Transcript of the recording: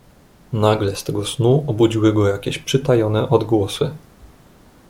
"Nagle z tego snu obudziły go jakieś przytajone odgłosy."